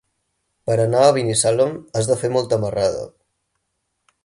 Per anar a Binissalem has de fer molta marrada.